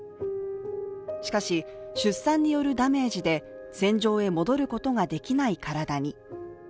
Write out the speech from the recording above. しかし出産によるダメージで戦場へ戻ることができない体に。